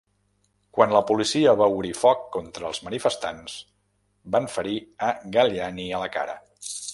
Quan la policia va obrir foc contra els manifestants, van ferir a Galleani a la cara.